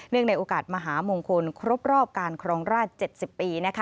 ในโอกาสมหามงคลครบรอบการครองราช๗๐ปี